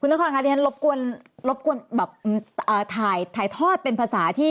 คุณนครค่ะคุณนครค่ะดิฉันรบกวนถ่ายทอดเป็นภาษา